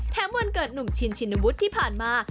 วันเกิดหนุ่มชินชินวุฒิที่ผ่านมา